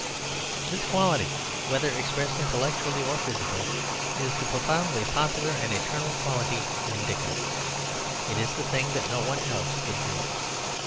This quality, whether expressed intellectually or physically, is the profoundly popular and eternal quality in Dickens; it is the thing that no one else could do.